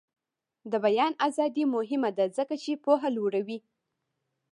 د بیان ازادي مهمه ده ځکه چې پوهه لوړوي.